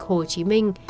hồ chí minh